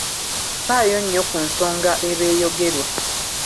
Faayo nnyo ku nsonga eba eyogerwa.